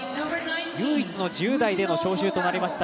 唯一の１０代での招集となりました